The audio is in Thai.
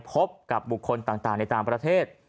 พบกับบุคคลต่างในต่างประเทศ